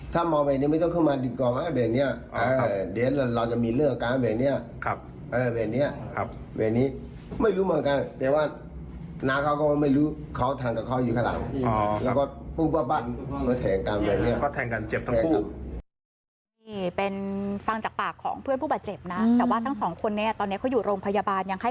แท้งกันเลยเนี่ยนะฟังเขาเล่าหน่อยค่ะ